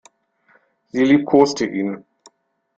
Sie liebkoste ihn.